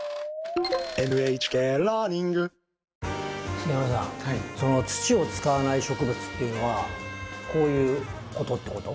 杉山さんその土を使わない植物っていうのはこういうことってこと？